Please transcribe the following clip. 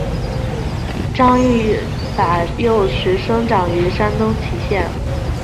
张玉法幼时生长于山东峄县。